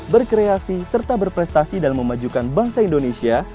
berkreasi serta berprestasi dan memajukan bangsa indonesia